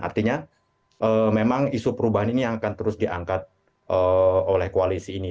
artinya memang isu perubahan ini yang akan terus diangkat oleh koalisi ini